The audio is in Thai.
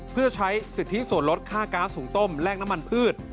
เพื่อใช้สิทธิส่วนลดค่าก๊าซหุงต้มแลกน้ำมันพืช